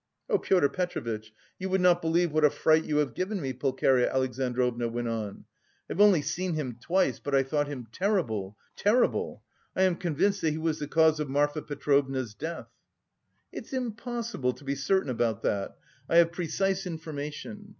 "Oh, Pyotr Petrovitch, you would not believe what a fright you have given me," Pulcheria Alexandrovna went on: "I've only seen him twice, but I thought him terrible, terrible! I am convinced that he was the cause of Marfa Petrovna's death." "It's impossible to be certain about that. I have precise information.